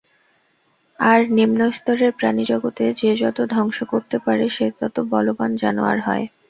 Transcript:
আর নিম্নস্তরের প্রাণিজগতে যে যত ধ্বংস করতে পারে, সে তত বলবান জানোয়ার হয়।